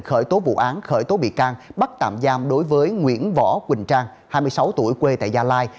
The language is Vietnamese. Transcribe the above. khởi tố vụ án khởi tố bị can bắt tạm giam đối với nguyễn võ quỳnh trang hai mươi sáu tuổi quê tại gia lai